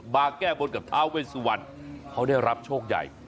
แก้บนกับท้าเวสวรรณเขาได้รับโชคใหญ่